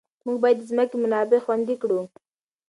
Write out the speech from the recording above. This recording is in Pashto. موږ باید د ځمکې منابع خوندي کړو.